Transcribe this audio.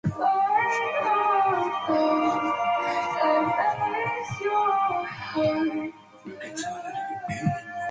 可信任的人工智慧